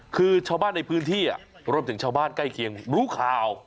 คือชาวบ้านในพื้นที่รวมถึงชาวบ้านใกล้เคียงรู้ข่าว